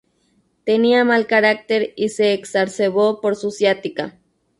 Tenía mal carácter y se exacerbó por su ciática.